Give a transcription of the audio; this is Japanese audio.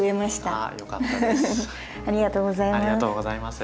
ありがとうございます。